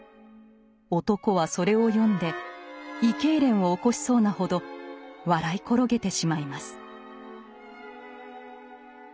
男はそれを読んで胃けいれんを起こしそうなほど笑い転げてしまいます。